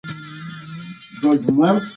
کلي د افغانستان د زرغونتیا یوه نښه ده.